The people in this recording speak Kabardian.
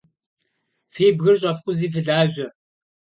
Фи бгыр щӏэфкъузи фылажьэ.